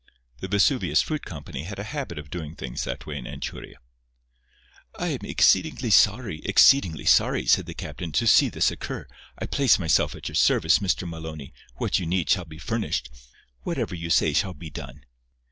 The Vesuvius Fruit Company had a habit of doing things that way in Anchuria. "I am exceedingly sorry—exceedingly sorry," said the captain, "to see this occur. I place myself at your service, Mr. Maloney. What you need shall be furnished. Whatever you say shall be done."